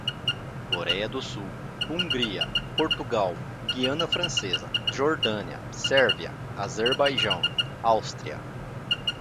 Coreia do Sul, Hungria, Portugal, Guiana Francesa, Jordânia, Sérvia, Azerbaijão, Áustria